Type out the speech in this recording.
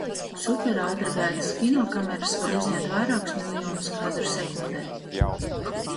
Superātrgaitas kinokameras var uzņemt vairākus miljonus kadru sekundē.